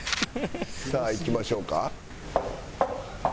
さあいきましょうか。